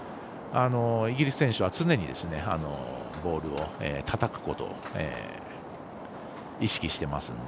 イギリス選手は常にボールをたたくことを意識してますので。